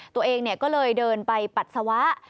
ตัวเองก็เลยเดินไปปัสสาวะ